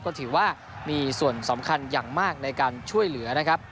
ก็ถือว่ามีส่วนสำคัญอย่างมากในการช่วยเหลือนะครับ